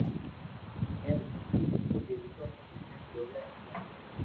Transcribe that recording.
ھي ملڪ ري ڪجھ حصو ۾ ميينک ٻولي ھي